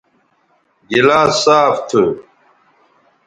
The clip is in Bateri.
گلاس صاف تھو